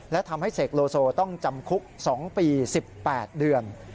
และทำให้เสกโลโซต้องจำคุก๒ปี๑๘เดือน